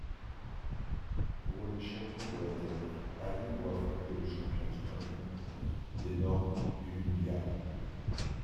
Couronné champion de la Terre, Ali doit affronter le champion scrubb, l'énorme Hun'Ya.